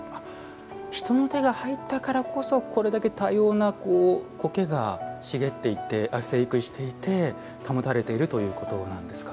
人の手が入ったからこそこれだけ多様な苔が茂っていて生育していて保たれているということなんですか。